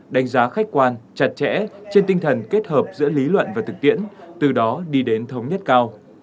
đánh giá khách quan chặt chẽ trên tinh thần kết hợp giữa lý luận và thực tiễn từ đó đi đến thống nhất cao